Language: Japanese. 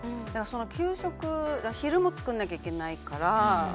昼も作らなきゃいけないから。